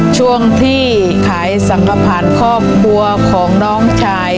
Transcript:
ช่วงที่ขายสังความค่อข้อมูลของน้องชาย